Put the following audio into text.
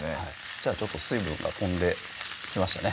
じゃあちょっと水分が飛んできましたね